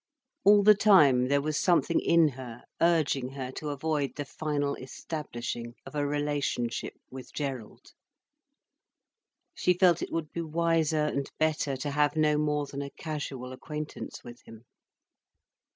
All the time, there was something in her urging her to avoid the final establishing of a relationship with Gerald. She felt it would be wiser and better to have no more than a casual acquaintance with him.